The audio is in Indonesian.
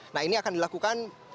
nah ini akan dilakukan